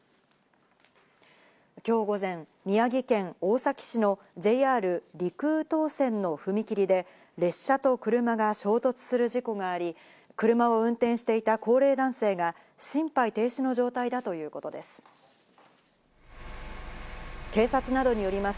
今日午前、宮城県大崎市のＪＲ陸羽東線の踏切で列車と車が衝突する事故があり、車を運転していた高齢男性が心肺停止の状態だということです。